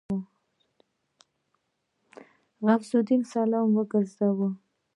غوث الدين سلام وګرځاوه.